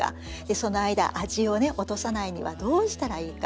その間味を落とさないにはどうしたらいいか？